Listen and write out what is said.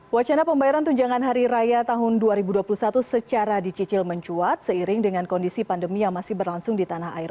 wacana pembayaran tunjangan hari raya tahun dua ribu dua puluh satu secara dicicil mencuat seiring dengan kondisi pandemi yang masih berlangsung di tanah air